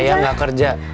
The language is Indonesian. saya gak kerja